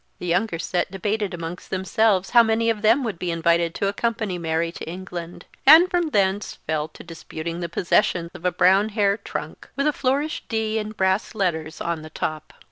The younger set debated amongst themselves how many of them would be invited to accompany Mary to England, and from thence fell to disputing the possession of a brown hair trunk, with a flourished D in brass letters on the top.